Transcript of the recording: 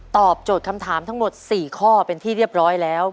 โจทย์คำถามทั้งหมด๔ข้อเป็นที่เรียบร้อยแล้ว